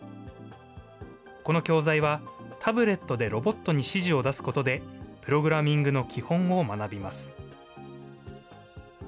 この教材は、タブレットでロボットに指示を出すことで、プログラミングの基本を学びます。